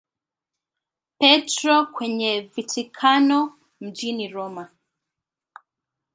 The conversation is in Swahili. Petro kwenye Vatikano mjini Roma.